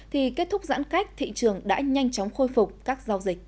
thì kết thúc giãn cách thị trường đã nhanh chóng khôi phục